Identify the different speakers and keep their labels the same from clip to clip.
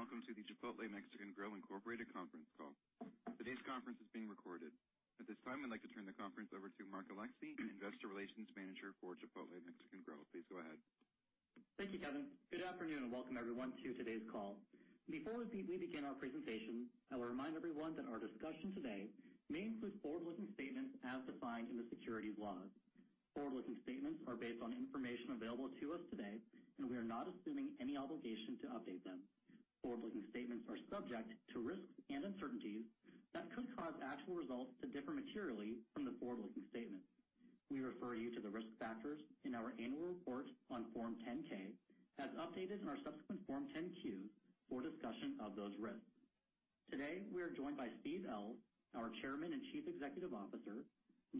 Speaker 1: Good day, welcome to the Chipotle Mexican Grill Incorporated conference call. Today's conference is being recorded. At this time, I'd like to turn the conference over to Mark Alexee, Investor Relations Manager for Chipotle Mexican Grill. Please go ahead.
Speaker 2: Thank you, Kevin. Good afternoon, welcome everyone to today's call. Before we begin our presentation, I will remind everyone that our discussion today may include forward-looking statements as defined in the securities laws. Forward-looking statements are based on information available to us today, we are not assuming any obligation to update them. Forward-looking statements are subject to risks and uncertainties that could cause actual results to differ materially from the forward-looking statements. We refer you to the risk factors in our annual report on Form 10-K, as updated in our subsequent Form 10-Q for a discussion of those risks. Today, we are joined by Steve Ells, our Chairman and Chief Executive Officer,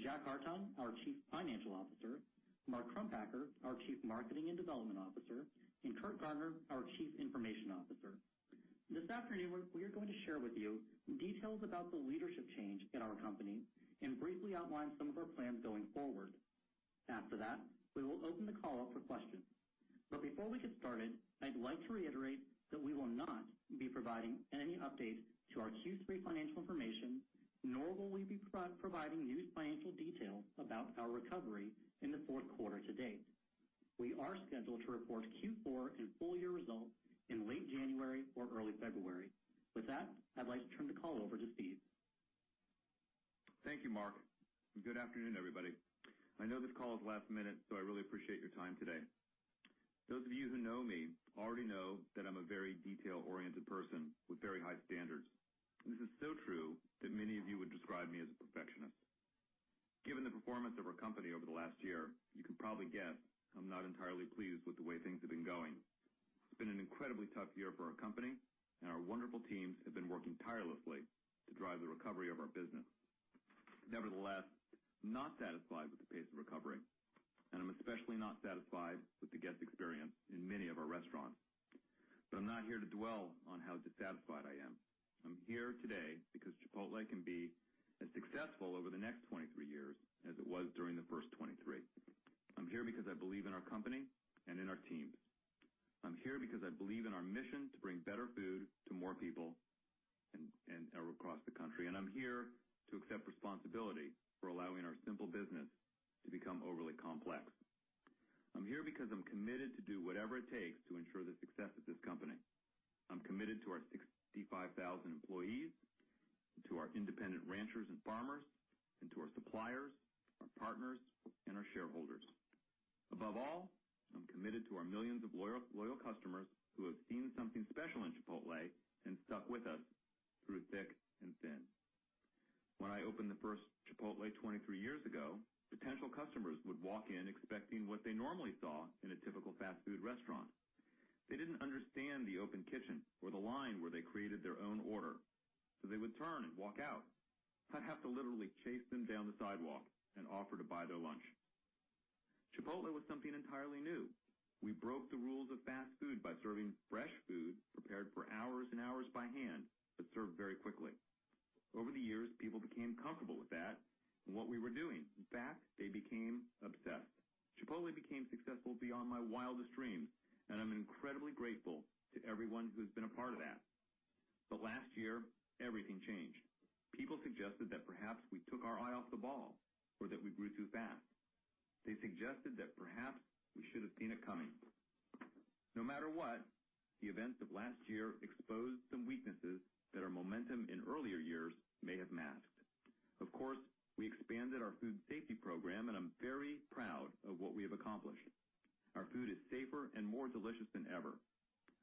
Speaker 2: Jack Hartung, our Chief Financial Officer, Mark Crumpacker, our Chief Marketing and Development Officer, and Curt Garner, our Chief Information Officer. This afternoon, we are going to share with you details about the leadership change in our company, briefly outline some of our plans going forward. After that, we will open the call up for questions. Before we get started, I'd like to reiterate that we will not be providing any updates to our Q3 financial information, nor will we be providing new financial details about our recovery in the fourth quarter to date. We are scheduled to report Q4 and full-year results in late January or early February. With that, I'd like to turn the call over to Steve.
Speaker 3: Thank you, Mark, good afternoon, everybody. I know this call is last minute, I really appreciate your time today. Those of you who know me already know that I'm a very detail-oriented person with very high standards. This is so true that many of you would describe me as a perfectionist. Given the performance of our company over the last year, you can probably guess I'm not entirely pleased with the way things have been going. It's been an incredibly tough year for our company, our wonderful teams have been working tirelessly to drive the recovery of our business. Nevertheless, I'm not satisfied with the pace of recovery, I'm especially not satisfied with the guest experience in many of our restaurants. I'm not here to dwell on how dissatisfied I am. I'm here today because Chipotle can be as successful over the next 23 years as it was during the first 23. I'm here because I believe in our company and in our teams. I'm here because I believe in our mission to bring better food to more people and across the country, and I'm here to accept responsibility for allowing our simple business to become overly complex. I'm here because I'm committed to do whatever it takes to ensure the success of this company. I'm committed to our 65,000 employees, to our independent ranchers and farmers, and to our suppliers, our partners, and our shareholders. Above all, I'm committed to our millions of loyal customers who have seen something special in Chipotle and stuck with us through thick and thin. When I opened the first Chipotle 23 years ago, potential customers would walk in expecting what they normally saw in a typical fast food restaurant. They didn't understand the open kitchen or the line where they created their own order, so they would turn and walk out. I'd have to literally chase them down the sidewalk and offer to buy their lunch. Chipotle was something entirely new. We broke the rules of fast food by serving fresh food prepared for hours and hours by hand, but served very quickly. Over the years, people became comfortable with that and what we were doing. In fact, they became obsessed. Chipotle became successful beyond my wildest dreams, and I'm incredibly grateful to everyone who has been a part of that. Last year, everything changed. People suggested that perhaps we took our eye off the ball or that we grew too fast. They suggested that perhaps we should have seen it coming. No matter what, the events of last year exposed some weaknesses that our momentum in earlier years may have masked. Of course, we expanded our food safety program, and I'm very proud of what we have accomplished. Our food is safer and more delicious than ever.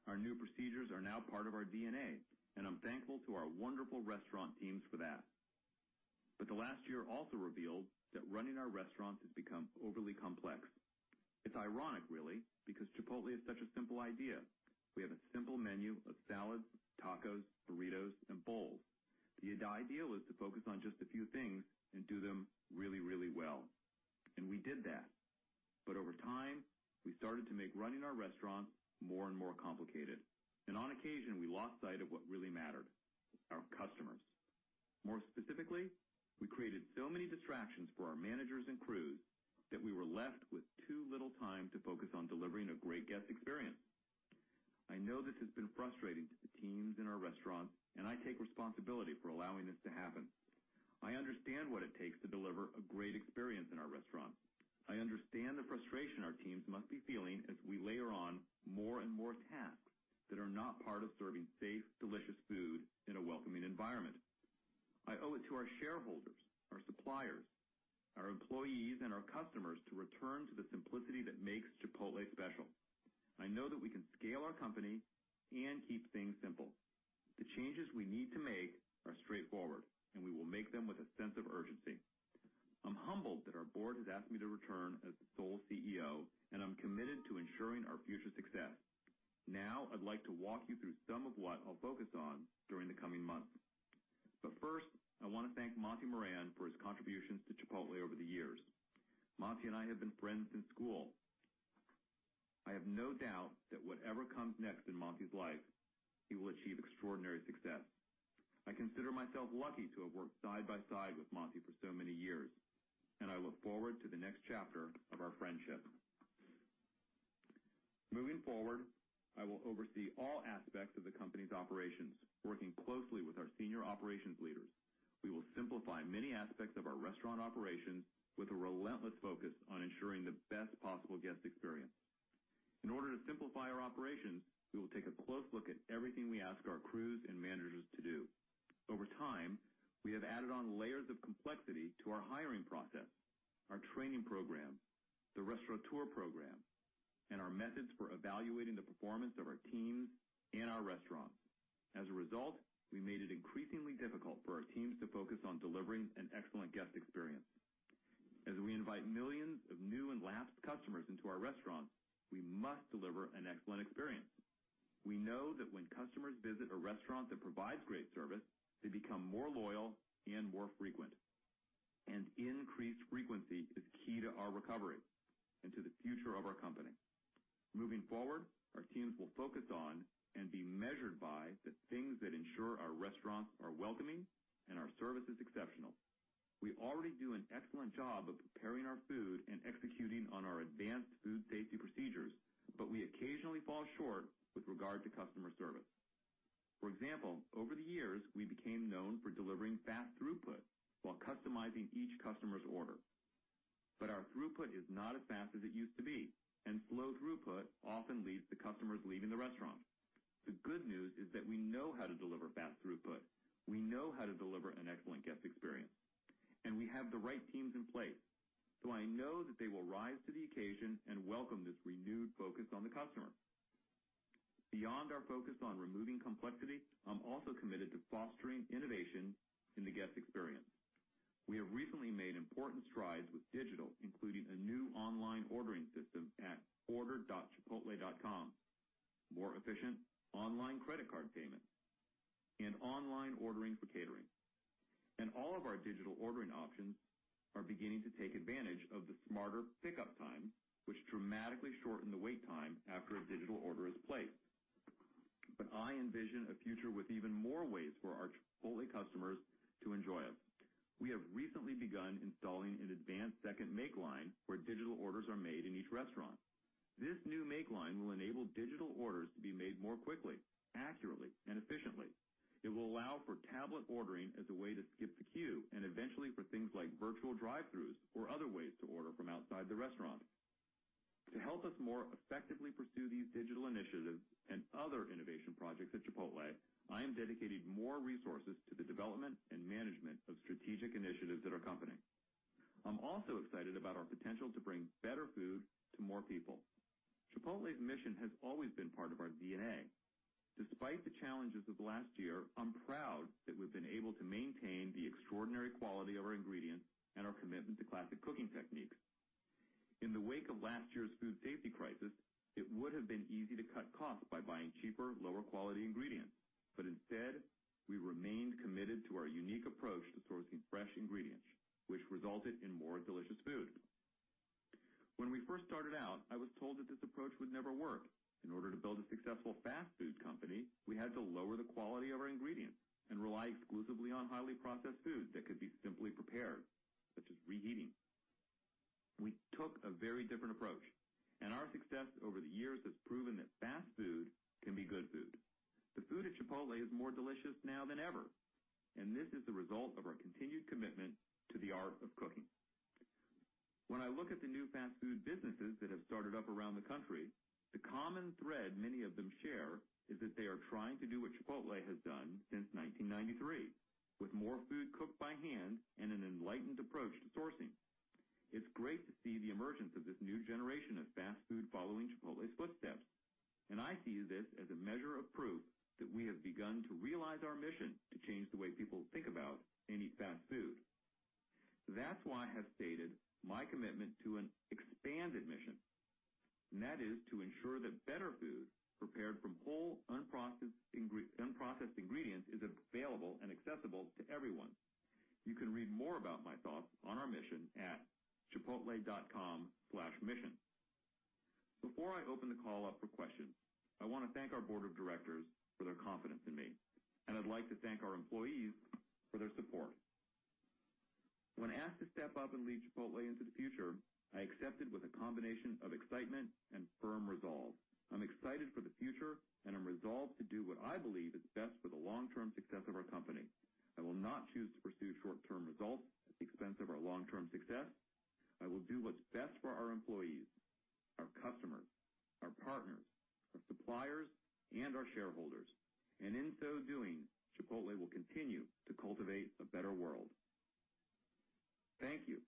Speaker 3: Our new procedures are now part of our DNA, and I'm thankful to our wonderful restaurant teams for that. The last year also revealed that running our restaurants has become overly complex. It's ironic, really, because Chipotle is such a simple idea. We have a simple menu of salads, tacos, burritos, and bowls. The idea was to focus on just a few things and do them really, really well. We did that. Over time, we started to make running our restaurants more and more complicated. On occasion, we lost sight of what really mattered, our customers. More specifically, we created so many distractions for our managers and crews that we were left with too little time to focus on delivering a great guest experience. I know this has been frustrating to the teams in our restaurants, and I take responsibility for allowing this to happen. I understand what it takes to deliver a great experience in our restaurants. I understand the frustration our teams must be feeling as we layer on more and more tasks that are not part of serving safe, delicious food in a welcoming environment. I owe it to our shareholders, our suppliers, our employees, and our customers to return to the simplicity that makes Chipotle special. I know that we can scale our company and keep things simple. The changes we need to make are straightforward. We will make them with a sense of urgency. I'm humbled that our board has asked me to return as the sole CEO, and I'm committed to ensuring our future success. I'd like to walk you through some of what I'll focus on during the coming months. First, I want to thank Monty Moran for his contributions to Chipotle over the years. Monty and I have been friends since school. I have no doubt that whatever comes next in Monty's life, he will achieve extraordinary success. I consider myself lucky to have worked side by side with Monty for so many years, and I look forward to the next chapter of our friendship. Moving forward, I will oversee all aspects of the company's operations, working closely with our senior operations leaders. We will simplify many aspects of our restaurant operations with a relentless focus on ensuring the best possible guest experience. In order to simplify our operations, we will take a close look at everything we ask our crews and managers to do. Over time, we have added on layers of complexity to our hiring process, our training program, the Restaurateur program, and our methods for evaluating the performance of our teams and our restaurants. As a result, we made it increasingly difficult for our teams to focus on delivering an excellent guest experience. As we invite millions of new and lapsed customers into our restaurants, we must deliver an excellent experience. We know that when customers visit a restaurant that provides great service, they become more loyal and more frequent. Increased frequency is key to our recovery and to the future of our company. Moving forward, our teams will focus on and be measured by the things that ensure our restaurants are welcoming and our service is exceptional. We already do an excellent job of preparing our food and executing on our advanced food safety procedures. We occasionally fall short with regard to customer service. For example, over the years, we became known for delivering fast throughput while customizing each customer's order. Our throughput is not as fast as it used to be. Slow throughput often leads to customers leaving the restaurant. The good news is that we know how to deliver fast throughput. We know how to deliver an excellent guest experience, and we have the right teams in place, so I know that they will rise to the occasion and welcome this renewed focus on the customer. Beyond our focus on removing complexity, I'm also committed to fostering innovation in the guest experience. We have recently made important strides with digital, including a new online ordering system at order.chipotle.com, more efficient online credit card payment, and online ordering for catering. All of our digital ordering options are beginning to take advantage of the Smarter Pickup Times, which dramatically shorten the wait time after a digital order is placed. I envision a future with even more ways for our Chipotle customers to enjoy us. We have recently begun installing an advanced second make line where digital orders are made in each restaurant. This new make line will enable digital orders to be made more quickly, accurately, and efficiently. It will allow for tablet ordering as a way to skip the queue, and eventually for things like virtual drive-throughs or other ways to order from outside the restaurant. To help us more effectively pursue these digital initiatives and other innovation projects at Chipotle, I am dedicating more resources to the development and management of strategic initiatives at our company. I'm also excited about our potential to bring better food to more people. Chipotle's mission has always been part of our DNA. Despite the challenges of last year, I'm proud that we've been able to maintain the extraordinary quality of our ingredients and our commitment to classic cooking techniques. In the wake of last year's food safety crisis, it would have been easy to cut costs by buying cheaper, lower quality ingredients. Instead, we remained committed to our unique approach to sourcing fresh ingredients, which resulted in more delicious food. When we first started out, I was told that this approach would never work. In order to build a successful fast food company, we had to lower the quality of our ingredients and rely exclusively on highly processed foods that could be simply prepared, such as reheating. We took a very different approach, and our success over the years has proven that fast food can be good food. The food at Chipotle is more delicious now than ever, and this is the result of our continued commitment to the art of cooking. When I look at the new fast food businesses that have started up around the country, the common thread many of them share is that they are trying to do what Chipotle has done since 1993, with more food cooked by hand and an enlightened approach to sourcing. It's great to see the emergence of this new generation of fast food following Chipotle's footsteps, and I see this as a measure of proof that we have begun to realize our mission to change the way people think about and eat fast food. That's why I have stated my commitment to an expanded mission, and that is to ensure that better food prepared from whole, unprocessed ingredients is available and accessible to everyone. You can read more about my thoughts on our mission at chipotle.com/mission. Before I open the call up for questions, I want to thank our board of directors for their confidence in me, and I'd like to thank our employees for their support. When asked to step up and lead Chipotle into the future, I accepted with a combination of excitement and firm resolve. I'm excited for the future, and I'm resolved to do what I believe is best for the long-term success of our company. I will not choose to pursue short-term results at the expense of our long-term success. I will do what's best for our employees, our customers, our partners, our suppliers, and our shareholders. In so doing, Chipotle will continue to cultivate a better world. Thank you.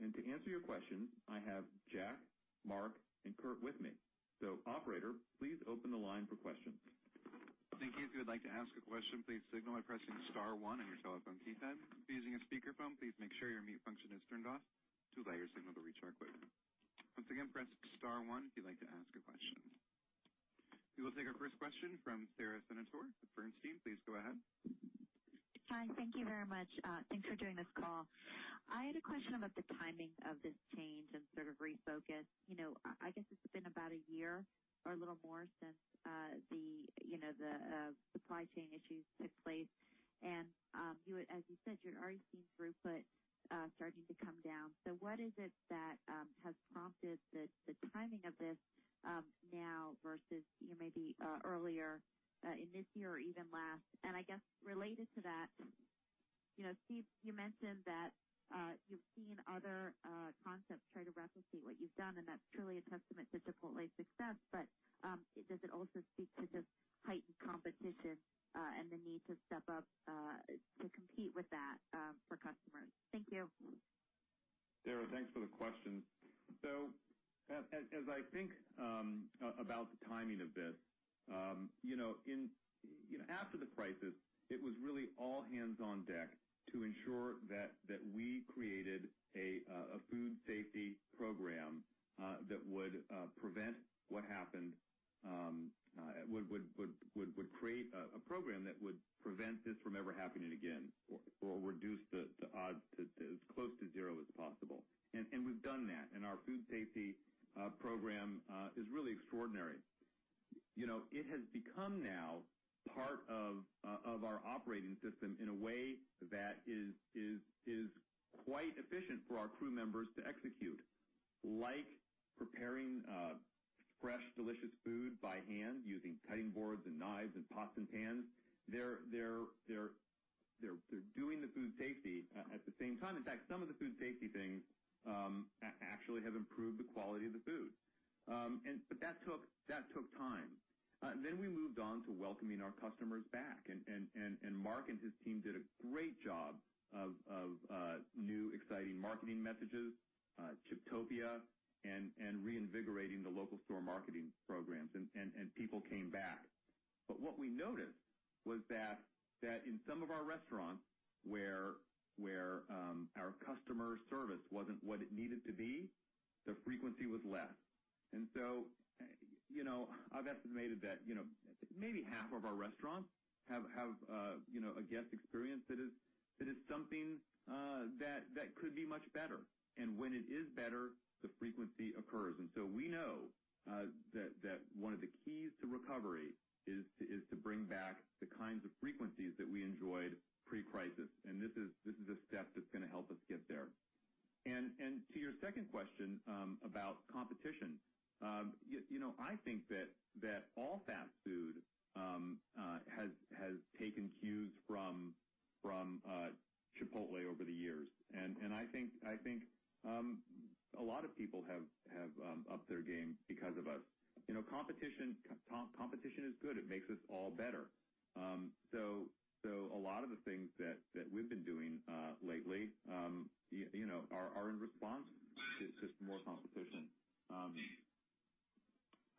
Speaker 3: To answer your questions, I have Jack, Mark, and Curt with me. Operator, please open the line for questions.
Speaker 1: Thank you. If you would like to ask a question, please signal by pressing star one on your telephone keypad. If you're using a speakerphone, please make sure your mute function is turned off to allow your signal to reach our equipment. Once again, press star one if you'd like to ask a question. We will take our first question from Sara Senatore with Bernstein. Please go ahead.
Speaker 4: Hi, thank you very much. Thanks for doing this call. I had a question about the timing of this change and sort of refocus. I guess it’s been about a year or a little more since the supply chain issues took place. As you said, you’re already seeing throughput starting to come down. What is it that has prompted the timing of this now versus maybe earlier in this year or even last? I guess related to that, Steve, you mentioned that you’ve seen other concepts try to replicate what you’ve done, and that’s truly a testament to Chipotle’s success. Does it also speak to just heightened competition and the need to step up to compete with that for customers? Thank you.
Speaker 3: Sara, thanks for the question. As I think about the timing of this, after the crisis, it was really all hands on deck to ensure that we created a food safety program that would prevent what happened. Would create a program that would prevent this from ever happening again or reduce the odds to as close to zero as possible. We’ve done that, and our food safety program is really extraordinary. It has become now part of our operating system in a way that is quite efficient for our crew members to execute. Like preparing fresh, delicious food by hand, using cutting boards and knives and pots and pans. They’re doing the food safety at the same time. In fact, some of the food safety things actually have improved the quality of the food. That took time. We moved on to welcoming our customers back. Mark and his team did a great job of new, exciting marketing messages, Chiptopia, and reinvigorating the local store marketing programs. People came back. What we noticed was that in some of our restaurants where our customer service wasn’t what it needed to be, the frequency was less. I’ve estimated that maybe half of our restaurants have a guest experience that is something that could be much better. When it is better, the frequency occurs. We know that one of the keys to recovery is to bring back the kinds of frequencies that we enjoyed pre-crisis. This is a step that’s going to help us get there. To your second question about competition. I think that all fast food has taken cues from Chipotle over the years. I think a lot of people have upped their game because of us. Competition is good. It makes us all better. A lot of the things that we’ve been doing lately are in response to more competition.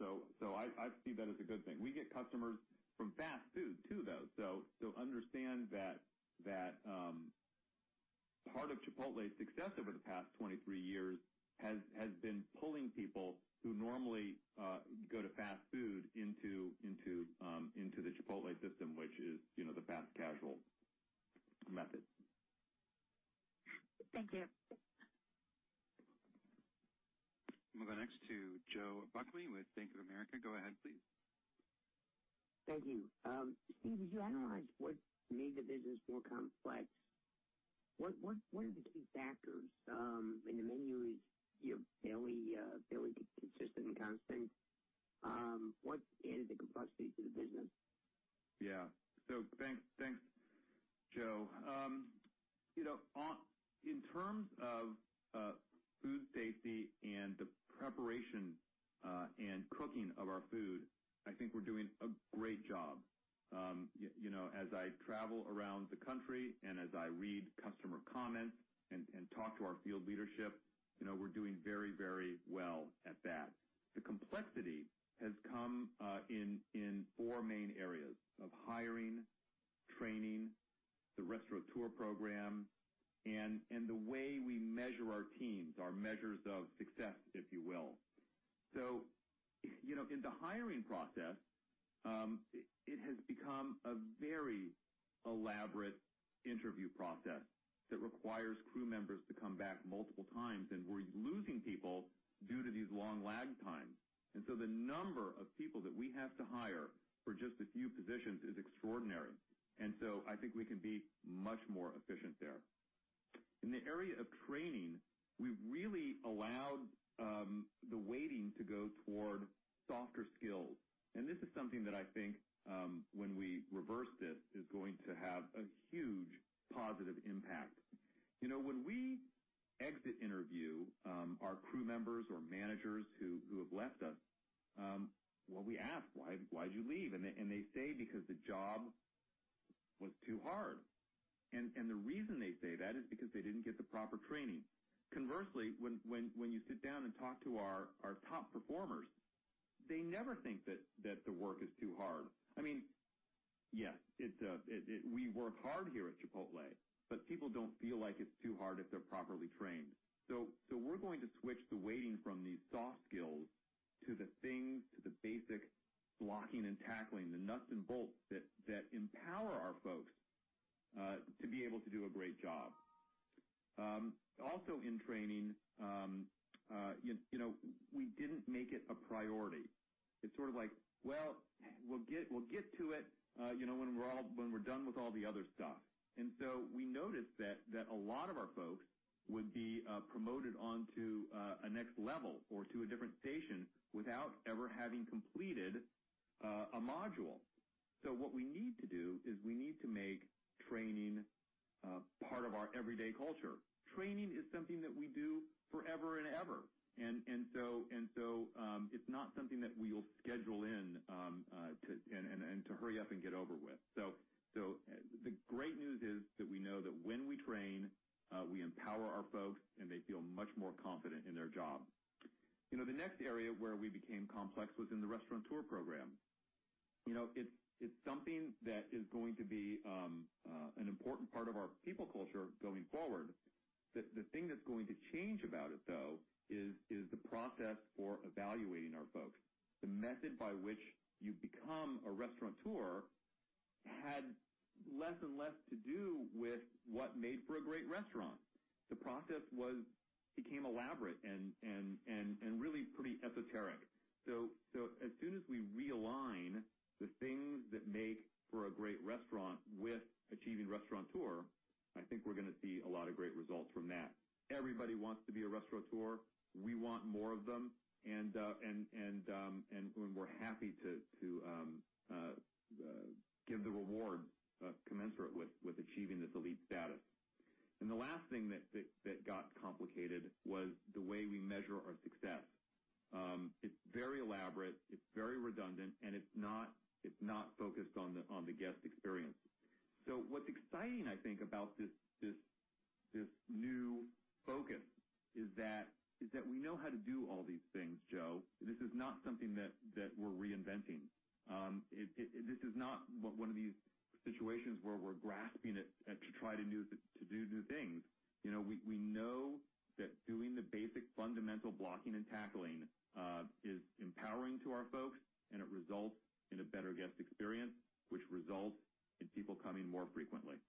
Speaker 3: I see that as a good thing. We get customers from fast food too, though. Understand that part of Chipotle’s success over the past 23 years has been pulling people who normally go to fast food into the Chipotle system, which is the fast casual method.
Speaker 4: Thank you.
Speaker 1: We’ll go next to Joe Buckley with Bank of America. Go ahead, please.
Speaker 5: Thank you. Steve, as you analyze what made the business more complex, what are the key factors in the menu? Is your ability to be consistent and constant? What added the complexity to the business?
Speaker 3: Thanks, Joe. In terms of food safety and the preparation and cooking of our food, I think we're doing a great job. As I travel around the country and as I read customer comments and talk to our field leadership, we're doing very well at that. The complexity has come in four main areas of hiring, training, the Restaurateur Program, and the way we measure our teams, our measures of success, if you will. In the hiring process, it has become a very elaborate interview process that requires crew members to come back multiple times, and we're losing people due to these long lag times. The number of people that we have to hire for just a few positions is extraordinary. I think we can be much more efficient there. In the area of training, we really allowed the weighting to go toward softer skills. This is something that I think when we reverse this, is going to have a huge positive impact. When we exit interview our crew members or managers who have left us, well, we ask, "Why'd you leave?" They say, "Because the job was too hard." The reason they say that is because they didn't get the proper training. Conversely, when you sit down and talk to our top performers, they never think that the work is too hard. I mean, yes, we work hard here at Chipotle, but people don't feel like it's too hard if they're. We're going to switch the weighting from these soft skills to the things, to the basic blocking and tackling, the nuts and bolts that empower our folks to be able to do a great job. Also in training, we didn't make it a priority. It's sort of like, "Well, we'll get to it when we're done with all the other stuff." We noticed that a lot of our folks would be promoted on to a next level or to a different station without ever having completed a module. What we need to do is we need to make training part of our everyday culture. Training is something that we do forever and ever. It's not something that we will schedule in to hurry up and get over with. The great news is that we know that when we train, we empower our folks, and they feel much more confident in their job. The next area where we became complex was in the Restaurateur program. It's something that is going to be an important part of our people culture going forward. The thing that's going to change about it, though, is the process for evaluating our folks. The method by which you become a Restaurateur had less and less to do with what made for a great restaurant. The process became elaborate and really pretty esoteric. As soon as we realign the things that make for a great restaurant with achieving Restaurateur, I think we're going to see a lot of great results from that. Everybody wants to be a Restaurateur. We want more of them. We're happy to give the reward commensurate with achieving this elite status. The last thing that got complicated was the way we measure our success. It's very elaborate, it's very redundant, and it's not focused on the guest experience. What's exciting, I think, about this new focus is that we know how to do all these things, Joe. This is not something that we're reinventing. This is not one of these situations where we're grasping at to try to do new things. We know that doing the basic fundamental blocking and tackling is empowering to our folks, and it results in a better guest experience, which results in people coming more frequently.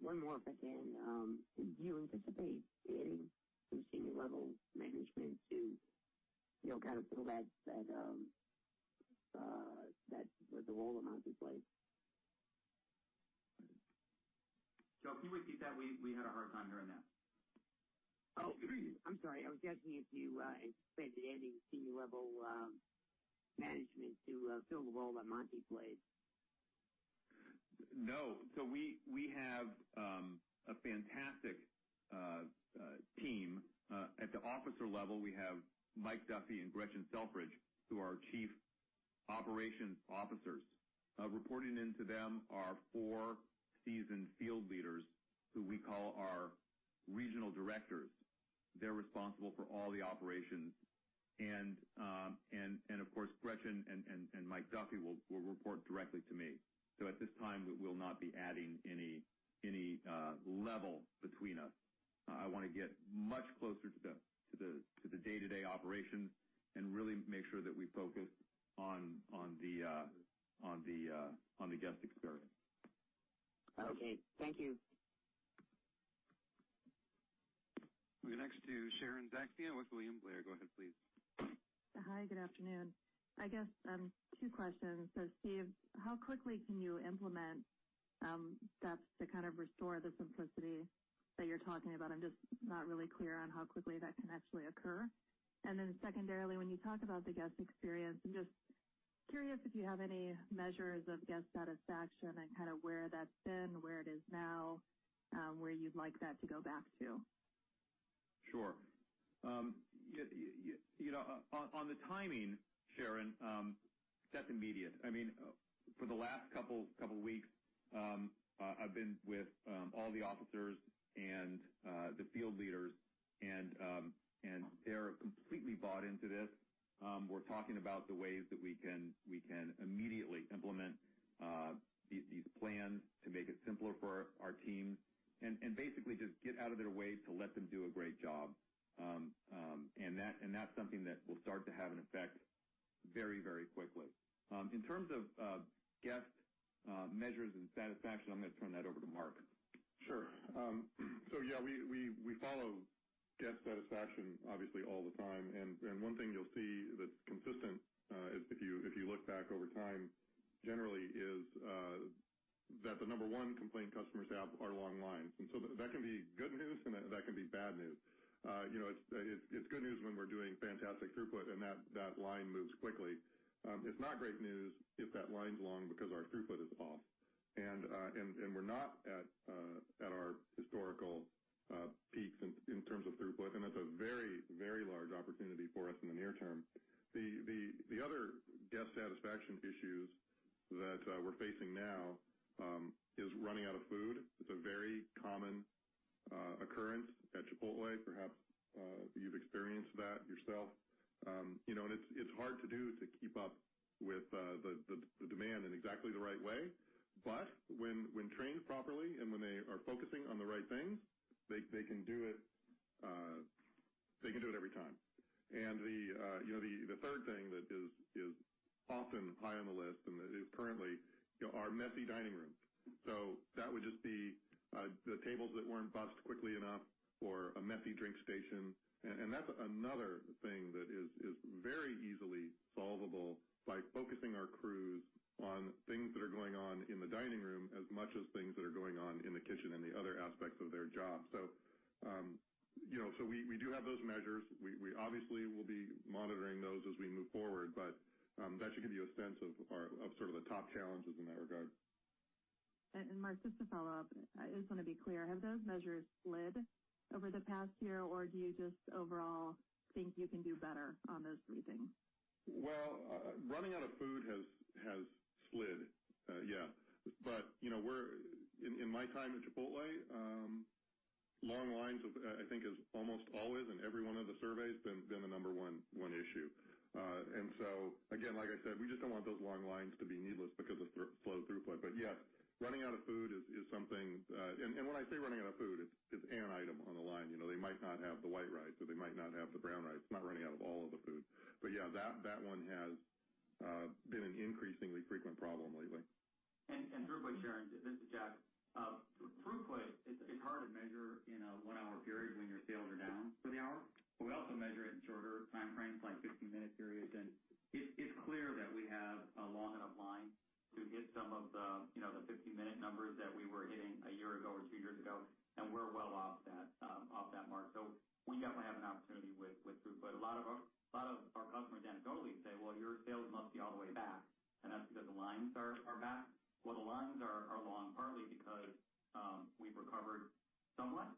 Speaker 5: One more if I can. Do you anticipate adding some senior level management to kind of fill that, what the role Monty played?
Speaker 3: Joe, can you repeat that? We had a hard time hearing that.
Speaker 5: I'm sorry. I was asking if you anticipate the adding of senior level management to fill the role that Monty played.
Speaker 3: No. We have a fantastic team. At the officer level, we have Mike Duffy and Gretchen Selfridge, who are our Restaurant Support Officers. Reporting in to them are four seasoned field leaders who we call our regional directors. They're responsible for all the operations. Of course, Gretchen and Mike Duffy will report directly to me. At this time, we will not be adding any level between us. I want to get much closer to the day-to-day operations and really make sure that we focus on the guest experience.
Speaker 5: Okay. Thank you.
Speaker 1: We go next to Sharon Zackfia with William Blair. Go ahead, please.
Speaker 6: Hi, good afternoon. I guess two questions. Steve, how quickly can you implement steps to kind of restore the simplicity that you're talking about? I'm just not really clear on how quickly that can actually occur. Secondarily, when you talk about the guest experience, I'm just curious if you have any measures of guest satisfaction and kind of where that's been, where it is now, where you'd like that to go back to.
Speaker 3: Sure. On the timing, Sharon, that's immediate. For the last couple weeks, I've been with all the officers and the field leaders, they're completely bought into this. We're talking about the ways that we can immediately implement these plans to make it simpler for our team and basically just get out of their way to let them do a great job. That's something that will start to have an effect very quickly. In terms of guest measures and satisfaction, I'm going to turn that over to Mark.
Speaker 7: Sure. Yeah, we follow guest satisfaction obviously all the time. One thing you'll see that's consistent, if you look back over time, generally is that the number one complaint customers have are long lines. That can be good news, and that can be bad news. It's good news when we're doing fantastic throughput and that line moves quickly. It's not great news if that line's long because our throughput is off. We're not at our historical peaks in terms of throughput, and that's a very large opportunity for us in the near term. The other guest satisfaction issues that we're facing now is running out of food. It's a very common occurrence at Chipotle. Perhaps you've experienced that yourself. It's hard to do, to keep up with the demand in exactly the right way. When trained properly and when they are focusing on the right things, they can do it every time. The third thing that is often high on the list and that is currently, are messy dining rooms. That would just be the tables that weren't bussed quickly enough or a messy drink station. That's another thing that is very easily solvable by focusing our crews on things that are going on in the dining room as much as things that are going on in the kitchen and the other aspects of their job. We do have those measures. We obviously will be monitoring those as we move forward. That should give you a sense of the top challenges in that regard.
Speaker 6: Mark, just to follow up, I just want to be clear, have those measures slid over the past year, or do you just overall think you can do better on those three things?
Speaker 7: Running out of food has slid. Yeah. In my time at Chipotle, long lines, I think, is almost always in every one of the surveys been the number one issue. Again, like I said, we just don't want those long lines to be needless because of slow throughput. Yes, running out of food is something, and when I say running out of food, it's an item on the line. They might not have the white rice, or they might not have the brown rice, not running out of all of the food. Yeah, that one has been an increasingly frequent problem lately.
Speaker 8: Throughput, Sharon, this is Jack. Throughput, it's hard to measure in a one-hour period when your sales are down for the hour. We also measure it in shorter timeframes, like 15-minute periods. It's clear that we have a long enough line to hit some of the 15-minute numbers that we were hitting a year ago or two years ago, and we're well off that mark. We definitely have an opportunity with throughput. A lot of our customers anecdotally say, "Well, your sales must be all the way back, and that's because the lines are back." Well, the lines are long partly because we've recovered somewhat.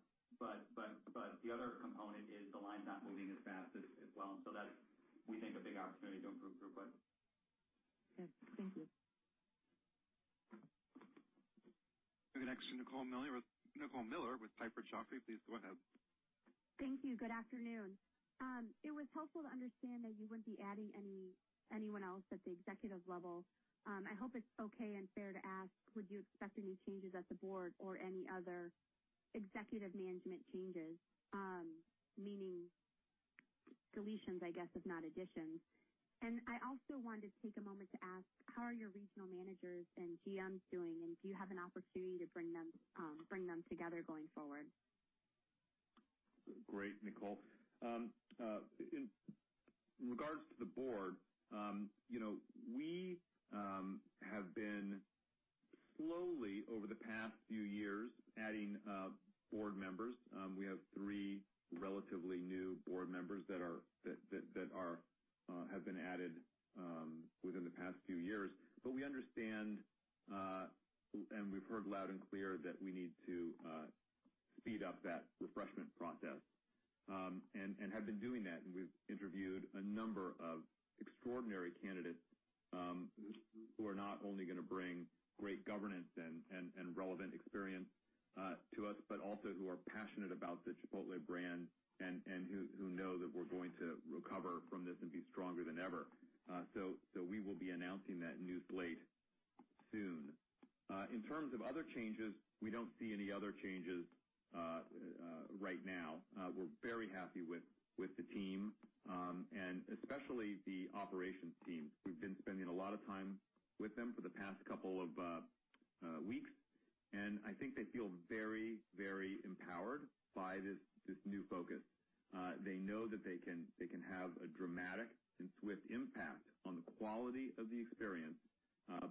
Speaker 8: The other component is the line's not moving as fast as well, and so that's, we think, a big opportunity to improve throughput.
Speaker 6: Good. Thank you.
Speaker 1: We go next to Nicole Miller with Piper Jaffray. Please go ahead.
Speaker 9: Thank you. Good afternoon. It was helpful to understand that you wouldn't be adding anyone else at the executive level. I hope it's okay and fair to ask, would you expect any changes at the board or any other executive management changes, meaning deletions, I guess, if not additions? I also wanted to take a moment to ask, how are your regional directors and GMs doing, and do you have an opportunity to bring them together going forward?
Speaker 3: Great, Nicole. In regards to the board, we have been slowly, over the past few years, adding board members. We have three relatively new board members that have been added within the past few years. We understand, and we've heard loud and clear, that we need to speed up that refreshment process, and have been doing that. We've interviewed a number of extraordinary candidates who are not only going to bring great governance and relevant experience to us, but also who are passionate about the Chipotle brand and who know that we're going to recover from this and be stronger than ever. We will be announcing that news late soon. In terms of other changes, we don't see any other changes right now. We're very happy with the team, and especially the operations team. We've been spending a lot of time with them for the past couple of weeks, and I think they feel very empowered by this new focus. They know that they can have a dramatic and swift impact on the quality of the experience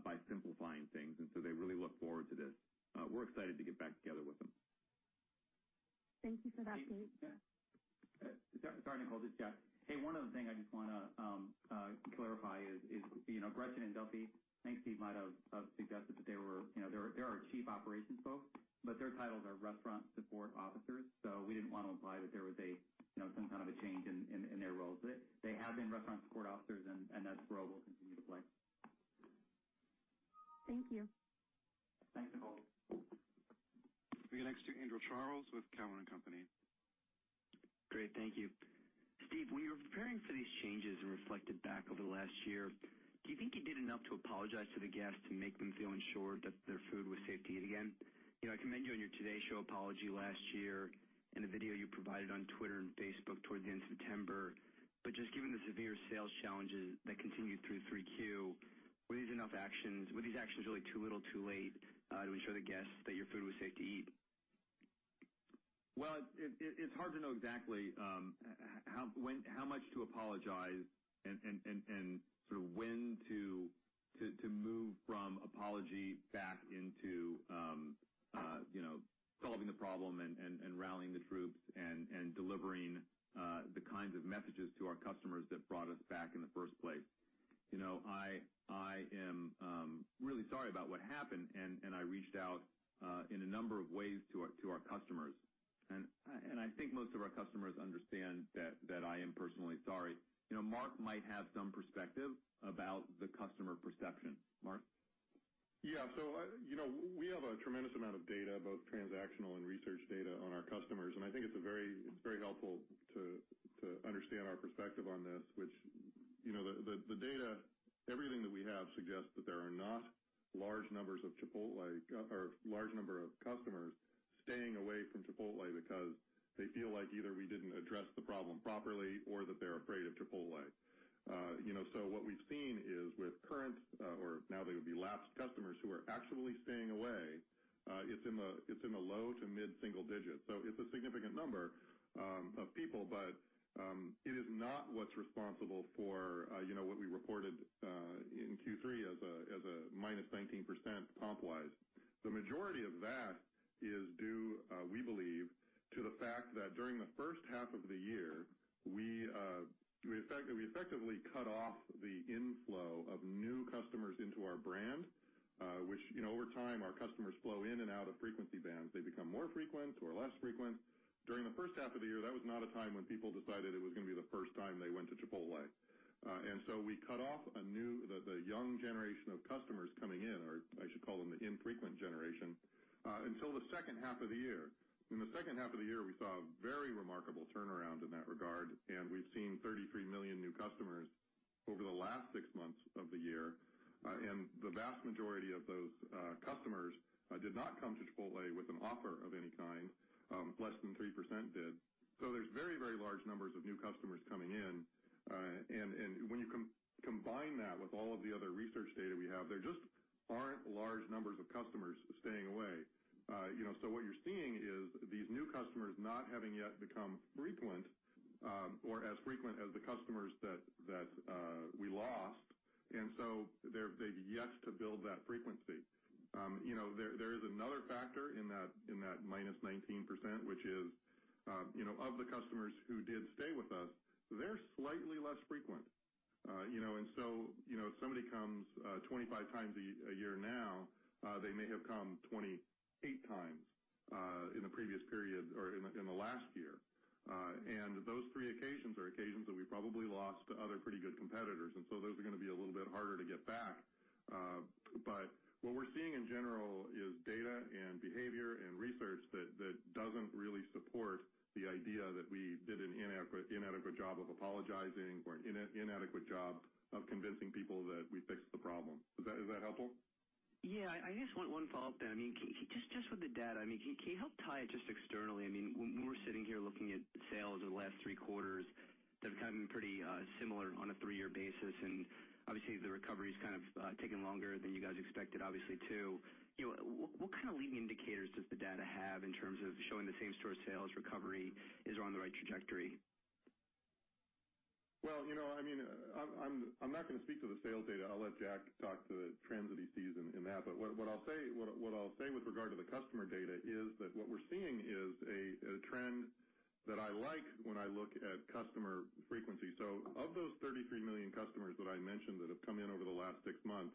Speaker 3: by simplifying things, and so they really look forward to this. We're excited to get back together with them.
Speaker 9: Thank you for that, Steve.
Speaker 8: Sorry, Nicole, this is Jack. Hey, one other thing I just want to clarify is, Gretchen and Duffy, I think Steve might have suggested that they are our chief operations folks, but their titles are restaurant support officers. We didn't want to imply that there was some kind of a change in their roles. They have been restaurant support officers, and that's the role we'll continue to play.
Speaker 9: Thank you.
Speaker 8: Thanks, Nicole.
Speaker 1: We go next to Andrew Charles with Cowen and Company.
Speaker 10: Great. Thank you. Steve, when you were preparing for these changes and reflected back over the last year, do you think you did enough to apologize to the guests to make them feel ensured that their food was safe to eat again? I commend you on your Today Show apology last year and the video you provided on Twitter and Facebook towards the end of September. Just given the severe sales challenges that continued through 3Q, were these enough actions? Were these actions really too little too late to ensure the guests that your food was safe to eat?
Speaker 3: Well, it's hard to know exactly how much to apologize and when to move from apology back into solving the problem and rallying the troops and delivering the kinds of messages to our customers that brought us back in the first place. I am really sorry about what happened, I reached out in a number of ways to our customers. I think most of our customers understand that I am personally sorry. Mark might have some perspective about the customer perception. Mark?
Speaker 7: Yeah. We have a tremendous amount of data, both transactional and research data on our customers, I think it's very helpful to understand our perspective on this. The data, everything that we have suggests that there are not large numbers of customers staying away from Chipotle because they feel like either we didn't address the problem properly or that they're afraid of Chipotle. What we've seen is with current, or now they would be lapsed customers who are actually staying away, it's in the low to mid single digits. It's a significant number of people, but it is not what's responsible for what we reported in Q3 as a minus 19% comp-wise. The majority of that is due, we believe, to the fact that during the first half of the year, we effectively cut off the inflow of new customers into our brand, which over time, our customers flow in and out of frequency bands. They become more frequent or less frequent. During the first half of the year, that was not a time when people decided it was going to be the first time they went to Chipotle. We cut off the young generation of customers coming in, or I should call them the infrequent generation, until the second half of the year. In the second half of the year, we saw a very remarkable turnaround in that regard, and we've seen 33 million new customers over the last six months of the year. The vast majority of those customers did not come to Chipotle with an offer of any kind. Less than 3% did. There's very large numbers of new customers coming in. When you combine that with all of the other research data we have, there just aren't large numbers of customers staying away. What you're seeing is these new customers not having yet become frequent or as frequent as the customers that we lost, they've yet to build that frequency. There is another factor in that minus 19%, which is of the customers who did stay with us, they're slightly less frequent. If somebody comes 25 times a year now, they may have come 28 times in the previous period or in the last year. Those three occasions are occasions that we probably lost to other pretty good competitors, those are going to be a little bit harder to get back. What we're seeing in general is data and behavior and research that doesn't really support the idea that we did an inadequate job of apologizing or an inadequate job of convincing people that we fixed the problem. Is that helpful?
Speaker 10: Yeah. I just want one follow-up then. Just with the data, can you help tie it just externally? When we're sitting here looking at sales over the last three quarters, they've kind of been pretty similar on a three-year basis, obviously, the recovery's kind of taken longer than you guys expected obviously too. What kind of leading indicators does the data have in terms of showing the same store sales recovery is on the right trajectory?
Speaker 7: I'm not going to speak to the sales data. I'll let Jack talk to the trends that he sees in that. What I'll say with regard to the customer data is that what we're seeing is a trend that I like when I look at customer frequency. Of those 33 million customers that I mentioned that have come in over the last six months,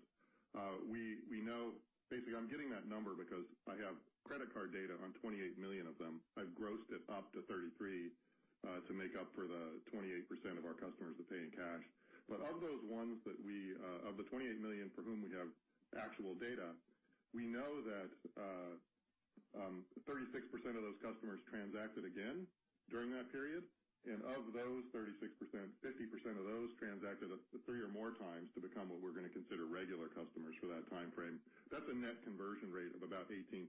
Speaker 7: basically, I'm getting that number because I have credit card data on 28 million of them. I've grossed it up to 33 to make up for the 28% of our customers that pay in cash. Of the 28 million for whom we have actual data, we know that 36% of those customers transacted again during that period. Of those 36%, 50% of those transacted three or more times to become what we're going to consider regular customers for that timeframe. That's a net conversion rate of about 18%.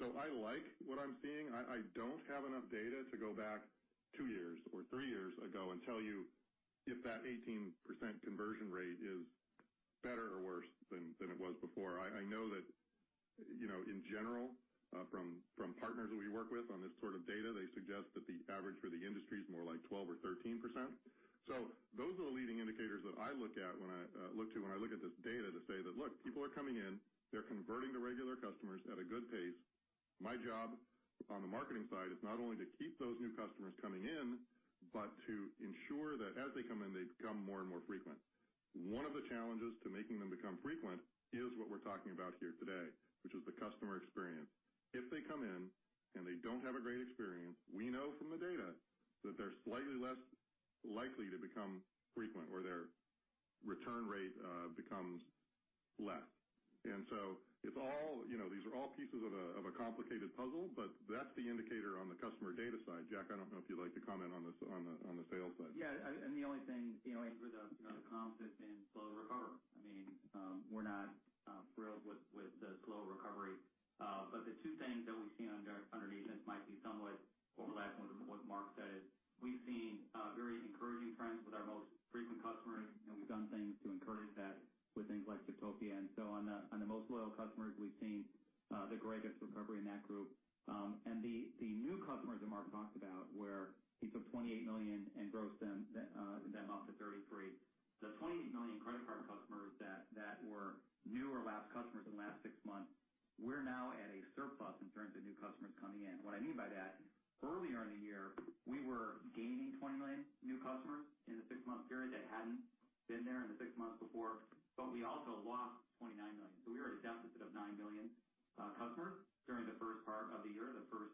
Speaker 7: I like what I'm seeing. I don't have enough data to go back two years or three years ago and tell you if that 18% conversion rate is better or worse than it was before. I know that, in general, from partners that we work with on this sort of data, they suggest that the average for the industry is more like 12% or 13%. Those are the leading indicators that I look at when I look at this data to say that, "Look, people are coming in. They're converting to regular customers at a good pace." My job on the marketing side is not only to keep those new customers coming in, but to ensure that as they come in, they become more and more frequent. One of the challenges to making them become frequent is what we're talking about here today, which is the customer experience. If they come in and they don't have a great experience, we know from the data that they're slightly less likely to become frequent, or their return rate becomes less. These are all pieces of a complicated puzzle, but that's the indicator on the customer data side. Jack, I don't know if you'd like to comment on the sales side.
Speaker 8: The only thing, and for the comps, it's been slow to recover. We're not thrilled with the slow recovery. The two things that we've seen underneath this might be somewhat overlapping with what Mark said is we've seen very encouraging trends with our most frequent customers, and we've done things to encourage that with things like Chiptopia. On the most loyal customers, we've seen the greatest recovery in that group. The new customers that Mark talked about, where he took 28 million and grossed them up to 33. The 28 million credit card customers that were new or lapsed customers in the last six months, we're now at a surplus in terms of new customers coming in. What I mean by that, earlier in the year, we were gaining 20 million new customers in the 6-month period that hadn't been there in the 6 months before, but we also lost 29 million. We were at a deficit of 9 million customers during the first part of the year, the first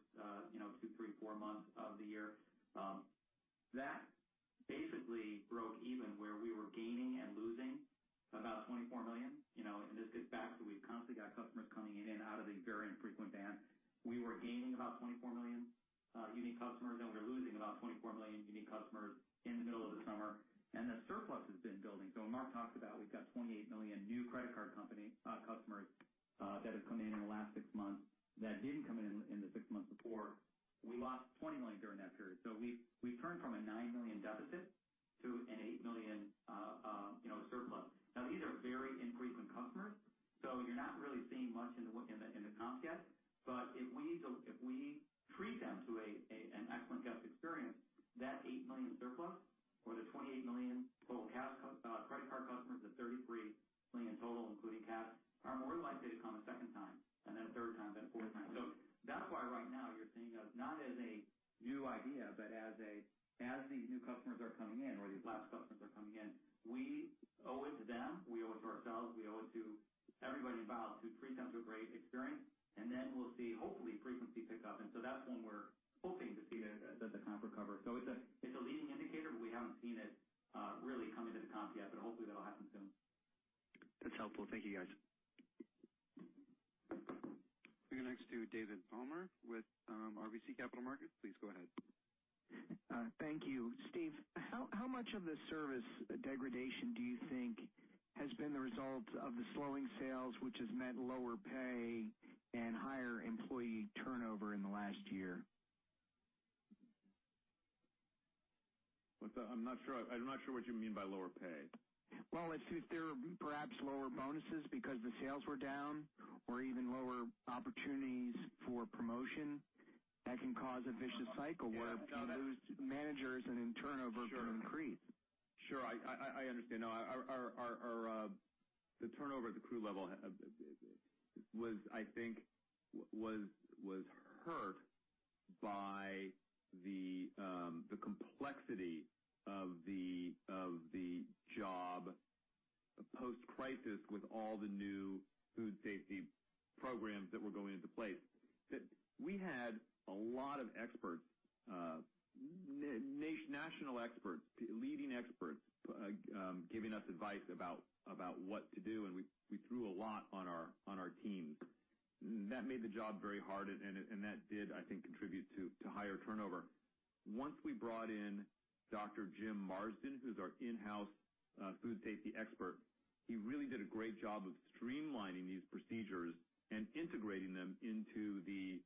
Speaker 8: two, three, four months of the year. That basically broke even where we were gaining and losing about 24 million. This gets back to we've constantly got customers coming in and out of the very infrequent band. We were gaining about 24 million unique customers, then we were losing about 24 million unique customers in the middle of the summer. That surplus has been building. When Mark talked about we've got 28 million new credit card customers that have come in the last 6 months that didn't come in the 6 months before, we lost 20 million during that period. We've turned from a 9 million deficit to an 8 million surplus. Now, these are very infrequent customers, so you're not really seeing much in the comps yet. If we treat them to an excellent guest experience, that 8 million surplus or the 28 million total credit card customers, the 33 million total, including cash, are more likely to come a second time and then a third time, then a fourth time. That's why right now you're seeing us not as a new idea, but as these new customers are coming in, or these lapsed customers are coming in, we owe it to them, we owe it to ourselves, we owe it to everybody involved to treat them to a great experience. Then we'll see, hopefully, frequency pick up. That's when we're hoping to see the comp recover. It's a leading indicator, but we haven't seen it really come into comp yet, but hopefully that'll happen soon.
Speaker 10: That's helpful. Thank you, guys.
Speaker 1: We go next to David Palmer with RBC Capital Markets. Please go ahead.
Speaker 11: Thank you. Steve, how much of the service degradation do you think has been the result of the slowing sales, which has meant lower pay and higher employee turnover in the last year?
Speaker 3: I'm not sure what you mean by lower pay.
Speaker 11: Well, if there are perhaps lower bonuses because the sales were down, or even lower opportunities for promotion, that can cause a vicious cycle where you lose managers and then turnover can increase.
Speaker 3: Sure. I understand now. The turnover at the crew level, I think, was hurt by the complexity of the job post-crisis with all the new food safety programs that were going into place. We had a lot of experts, national experts, leading experts, giving us advice about what to do, and we threw a lot on our teams. That made the job very hard, and that did, I think, contribute to higher turnover. Once we brought in Dr. James Marsden, who's our in-house food safety expert, he really did a great job of streamlining these procedures and integrating them into the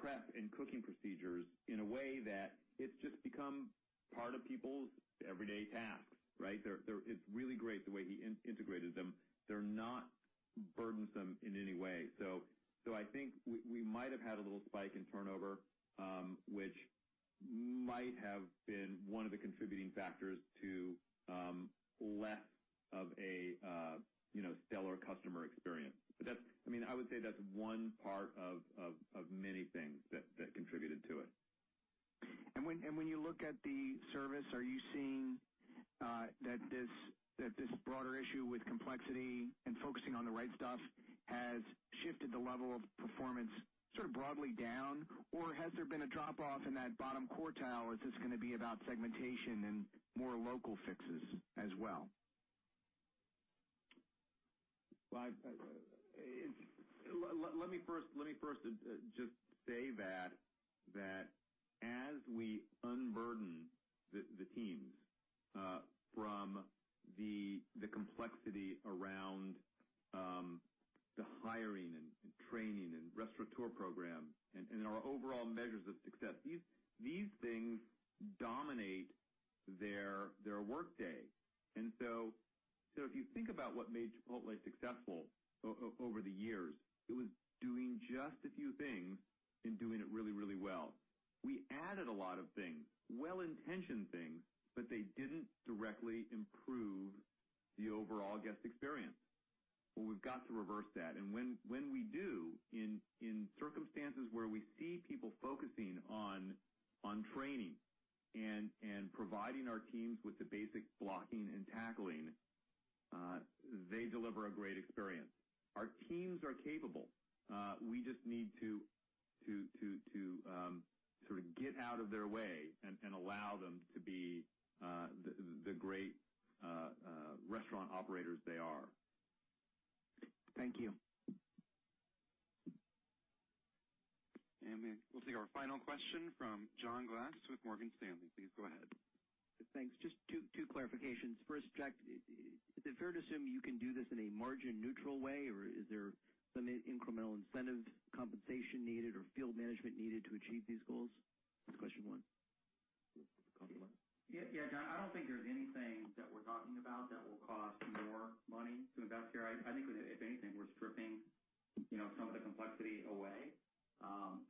Speaker 3: prep and cooking procedures in a way that it's just become part of people's everyday tasks. Right? It's really great the way he integrated them. They're not burdensome in any way. I think we might have had a little spike in turnover, which might have been one of the contributing factors to less of a stellar customer experience. I would say that's one part of many things that contributed to it.
Speaker 11: When you look at the service, are you seeing that this broader issue with complexity and focusing on the right stuff has shifted the level of performance sort of broadly down? Has there been a drop-off in that bottom quartile, or is this going to be about segmentation and more local fixes as well?
Speaker 3: Let me first just say that as we unburden the teams from the complexity around the hiring and training and Restaurateur program and our overall measures of success, these things dominate their workday. If you think about what made Chipotle successful over the years, it was doing just a few things and doing it really, really well. We added a lot of things, well-intentioned things, but they didn't directly improve the overall guest experience. Well, we've got to reverse that. When we do, in circumstances where we see people focusing on training and providing our teams with the basic blocking and tackling, they deliver a great experience. Our teams are capable. We just need to sort of get out of their way and allow them to be the great restaurant operators they are.
Speaker 11: Thank you.
Speaker 1: We'll take our final question from John Glass with Morgan Stanley. Please go ahead.
Speaker 12: Thanks. Just two clarifications. First, Jack, is it fair to assume you can do this in a margin-neutral way, or is there some incremental incentive compensation needed or field management needed to achieve these goals? That's question one.
Speaker 8: Yeah, John, I don't think there's anything that we're talking about that will cost more money to invest here. I think if anything, we're stripping some of the complexity away,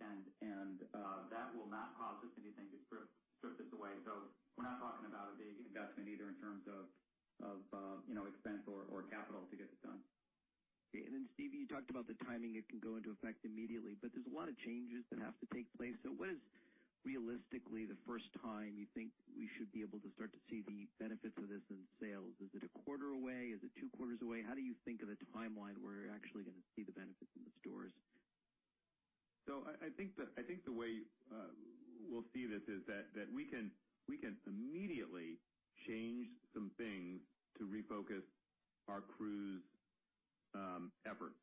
Speaker 8: and that will not cause us anything to strip this away. We're not talking about a big investment either in terms of expense or capital to get this done.
Speaker 12: Okay. Steve, you talked about the timing. It can go into effect immediately, but there's a lot of changes that have to take place. What is realistically the first time you think we should be able to start to see the benefits of this in sales? Is it a quarter away? Is it two quarters away? How do you think of the timeline where you're actually going to see the benefits in the stores?
Speaker 3: I think the way we'll see this is that we can immediately change some things to refocus our crew's efforts,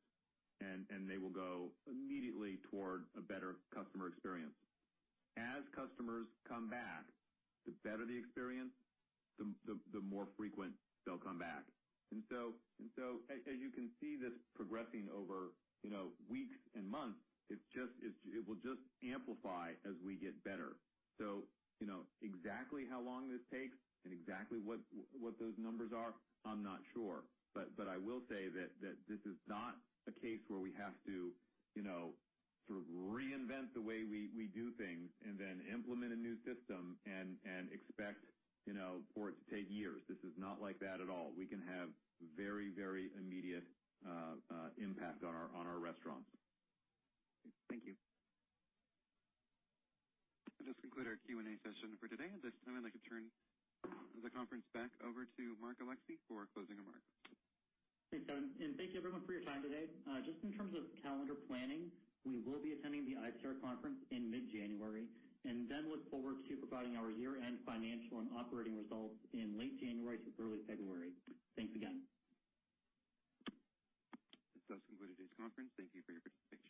Speaker 3: and they will go immediately toward a better customer experience. As customers come back, the better the experience, the more frequent they'll come back. As you can see this progressing over weeks and months, it will just amplify as we get better. Exactly how long this takes and exactly what those numbers are, I'm not sure. I will say that this is not a case where we have to sort of reinvent the way we do things and then implement a new system and expect for it to take years. This is not like that at all. We can have very immediate impact on our restaurants.
Speaker 12: Thank you.
Speaker 1: That does conclude our Q&A session for today. At this time, I'd like to turn the conference back over to Mark Alexee for closing remarks.
Speaker 2: Thanks, Kevin, and thank you everyone for your time today. Just in terms of calendar planning, we will be attending the ICR conference in mid-January and then look forward to providing our year-end financial and operating results in late January to early February. Thanks again.
Speaker 1: This does conclude today's conference. Thank you for your participation.